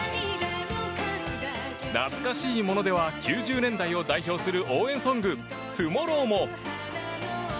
懐かしいものでは９０年代を代表する応援ソング「ＴＯＭＯＲＲＯＷ」も。